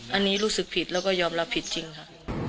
อันนี้รู้สึกผิดแล้วก็ยอมรับผิดจริงค่ะ